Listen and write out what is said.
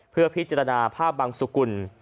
เพื่อพิจารณาภาพบังสุกุล